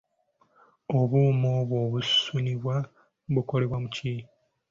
Obuuma obwo obusunibwa bukolebwa mu ki?